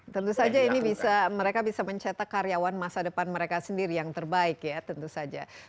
tentu saja ini bisa mereka bisa mencetak karyawan masa depan mereka sendiri yang terbaik ya tentu saja